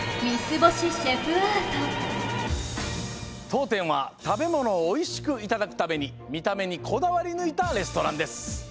とうてんはたべものをおいしくいただくためにみためにこだわりぬいたレストランです。